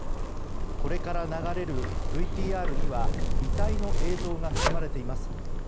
これから流れるＶＴＲには遺体の映像が含まれています。